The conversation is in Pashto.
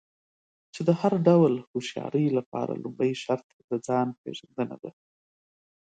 چې د هر ډول هوښيارۍ لپاره لومړی شرط د ځان پېژندنه ده.